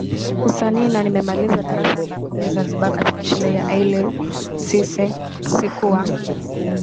usanii na nimemaliza darasa la kumi Zanzibar katika shule ya Aile Seasie Sikuwa